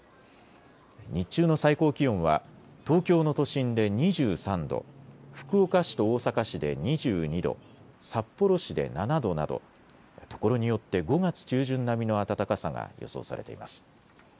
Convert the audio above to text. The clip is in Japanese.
日中の最高気温は東京の都心で２３度、福岡市と大阪市で２２度、札幌市で７度などところによって５月中旬並みの暖かさが予想されています。